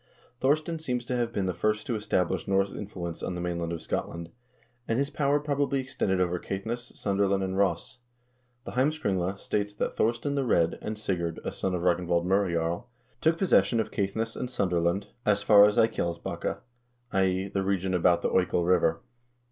2 Thorstein seems to have been the first to establish Norse influence on the mainland of Scotland, and his power probably extended over Caithness, Sutherland, and Ross. The " Heimskringla " states that Thorstein the Red, and Sigurd, a son of Ragnvald M0rejarl, took possession of Caithness and Suther land as far as Eikkjalsbakke, i.e. the region about the Oikel River.